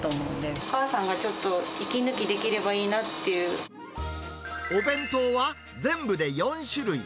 お母さんがちょっと息抜きできれお弁当は全部で４種類。